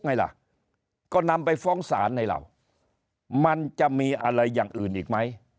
ไงล่ะก็นำไปฟ้องศาลให้เรามันจะมีอะไรอย่างอื่นอีกไหม